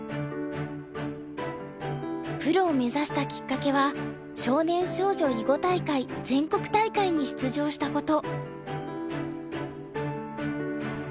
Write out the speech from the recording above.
プロを目指したきっかけは少年少女囲碁大会全国大会に出場したこと。